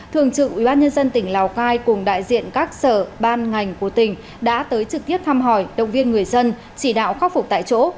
thường trực ubnd tỉnh lào cai cùng đại diện các sở ban ngành của tỉnh đã tới trực tiếp thăm hỏi động viên người dân chỉ đạo khắc phục tại chỗ